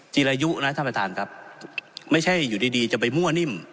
จีรายุนะท่านประธานครับไม่ใช่อยู่ดีดีจะไปมั่วนิ่ม